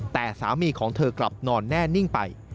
แต่สามีของเธอกลับนอนแน่นิ่งไป